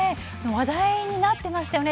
話題になっていましたよね。